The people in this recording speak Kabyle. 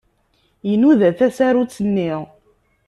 Inuda tasarut-nni.